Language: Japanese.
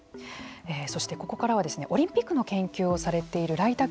そして、ここからはオリンピックの研究をされている來田